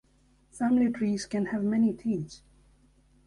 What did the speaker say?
Family trees can have many themes.